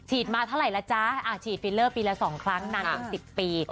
ฉีดมาเท่าไหร่ละจ๊ะอ่าฉีดฟิลเลอร์ปีละสองครั้งน้ำอีกสิบปี